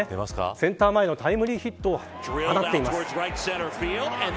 センター前のタイムリーヒットを放っています。